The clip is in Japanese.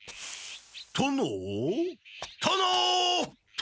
殿？